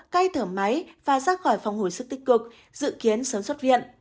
cai thở máy và rác khỏi phòng hồi sức tích cực dự kiến sớm xuất viện